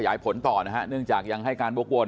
บาผิดกังวลอีกครั้งเนี่ย